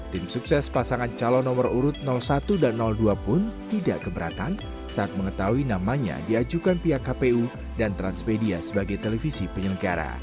tim sukses pasangan calon nomor urut satu dan dua pun tidak keberatan saat mengetahui namanya diajukan pihak kpu dan transmedia sebagai televisi penyelenggara